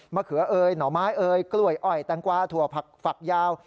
เขือเอยหน่อไม้เอ่ยกล้วยอ้อยแตงกวาถั่วผักฝักยาว